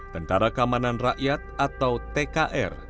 tentara keamanan rakyat atau tkr